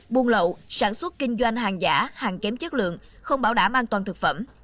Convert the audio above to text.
buôn lậu sản xuất kinh doanh hàng giả hàng kém chất lượng không bảo đảm an toàn thực phẩm